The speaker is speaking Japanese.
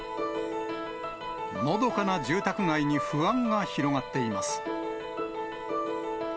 のどかな住宅街に不安が広がっています。